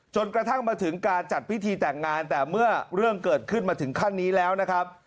จนกระทั่งมาถึงการจัดพิธีแต่งงานแต่เมื่อเรื่องเกิดขึ้นมาถึงขั้นนี้แล้วนะครับ